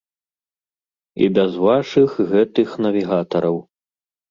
І без вашых гэтых навігатараў.